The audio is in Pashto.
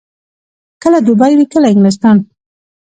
کله دوبۍ وي، کله انګلستان.